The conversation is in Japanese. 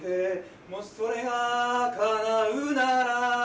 「もしそれがかなうなら」